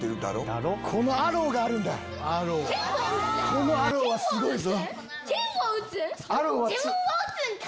このアローはすごいぞ。